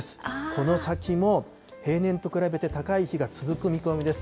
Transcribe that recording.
この先も平年と比べて高い日が続く見込みです。